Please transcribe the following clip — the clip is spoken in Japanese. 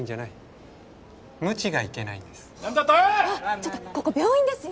ちょっとここ病院ですよ！